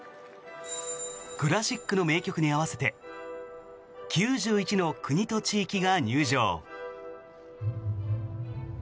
クラシックの名曲に合わせて９１の国と地域が入場。